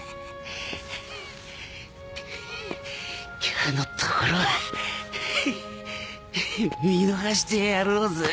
今日のところはハァ見逃してやろうぜ。